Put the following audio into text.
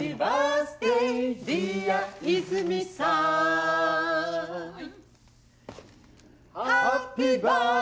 はい。